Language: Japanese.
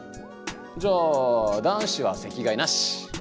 じゃあ男子は席替えなし！